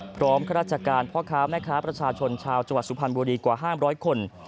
ข้าราชการพ่อค้าแม่ค้าประชาชนชาวจังหวัดสุพรรณบุรีกว่า๕๐๐คน